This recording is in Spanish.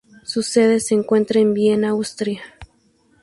Su sede se encuentra en Viena, Austria.